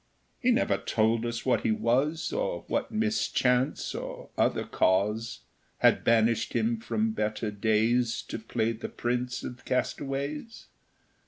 He never told us what he was, Or what mischance, or other cause, Had banished him from better days To play the Prince of Castaways.